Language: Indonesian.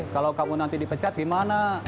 kalau kamu nanti dipecat gimana